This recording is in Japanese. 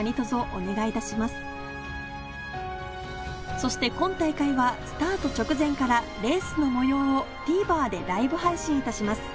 そして今大会はスタート直前からレースの模様をＴＶｅｒでライブ配信いたします